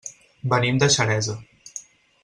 Venim de Xeresa.